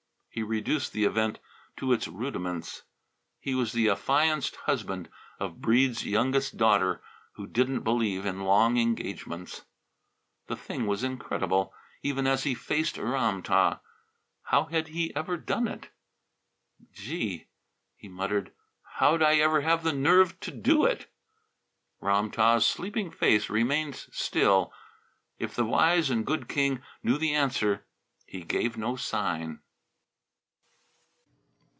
He reduced the event to its rudiments. He was the affianced husband of Breede's youngest daughter, who didn't believe in long engagements. The thing was incredible, even as he faced Ram tah. How had he ever done it? "Gee!" he muttered, "how'd I ever have the nerve to do it!" Ram tah's sleeping face remained still. If the wise and good king knew the answer he gave no sign.